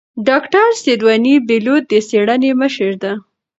ډاکتره سیدوني بېلوت د څېړنې مشره ده.